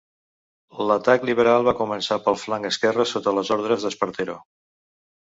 L'atac liberal va començar pel flanc esquerre sota les ordes d'Espartero.